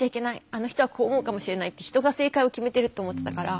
「あの人はこう思うかもしれない」って人が正解を決めてるって思ってたから。